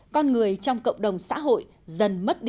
con người trong cộng đồng xã hội dần mất